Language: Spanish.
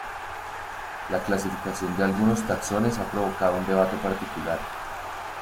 La clasificación de algunos taxones ha provocado un debate particular.